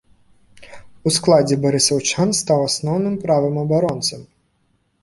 У складзе барысаўчан стаў асноўным правым абаронцам.